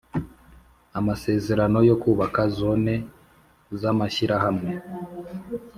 amasezerano yo kubaka Zone zamashyirahamwe